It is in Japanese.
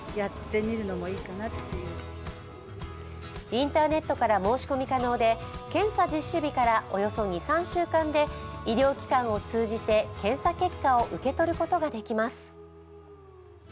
インターネットから申し込み可能で、検査実施日からおよそ２３週間で医療機関を通じて検査結果を受け取ることができます。